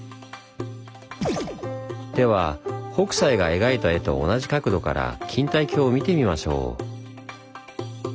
では北斎が描いた絵と同じ角度から錦帯橋を見てみましょう。